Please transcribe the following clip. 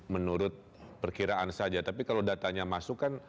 menurut perkiraan saja tapi kalau datanya masuk kan